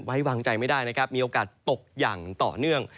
ไว้วางใจไม่ได้มีโอกาสตกยังต่อเนื่อง